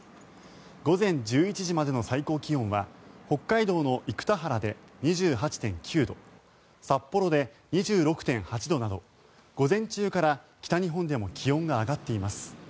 午前１１時までの最高気温は北海道の生田原で２８．９度札幌で２６．８度など午前中から北日本でも気温が上がっています。